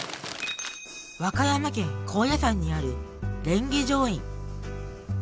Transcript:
和歌山県高野山にある蓮華定院。